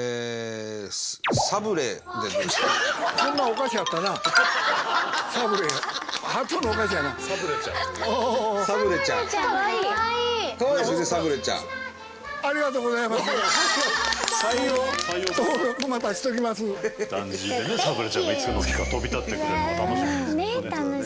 サブレちゃんがいつの日か飛び立ってくれるのが楽しみですね。